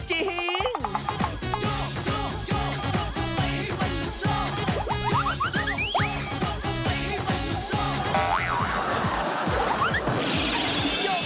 ก็ต้องกำลังไปให้มันหยุดล่อ